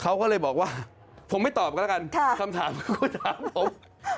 เขาก็เลยบอกว่าผมไม่ตอบกันแล้วกันคำถามเขาก็ถามผม